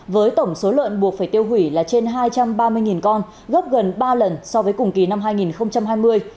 với tổng số lợn buộc phải tiêu hủy là trên hai trăm ba mươi con gấp gần ba lần so với cùng kỳ năm hai nghìn hai mươi